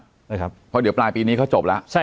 เพราะเดี๋ยวปลายปีนี้เขาจบแล้ว